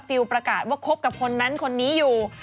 ประกาศว่าคบกับคนนั้นคนนี้อยู่